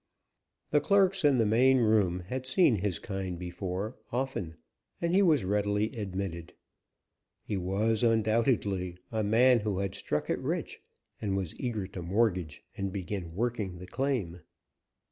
The clerks in the main room had seen his kind before, often, and he was readily admitted. He was, undoubtedly, a man who had struck it rich and was eager to mortgage and begin working the claim.